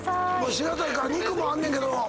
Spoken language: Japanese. しらたきから肉もあんねんけど。